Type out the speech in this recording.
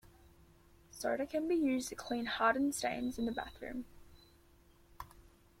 Soda can be used to clean hardened stains in the bathroom.